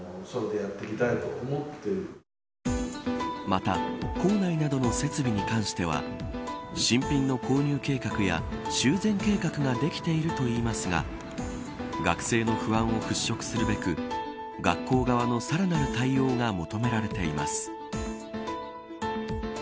また校内などの設備に関しては新品の購入計画や修繕計画ができているといいますが学生の不安を払拭するべく学校側のさらなる対応が求められています。